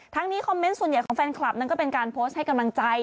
นี้คอมเมนต์ส่วนใหญ่ของแฟนคลับนั้นก็เป็นการโพสต์ให้กำลังใจ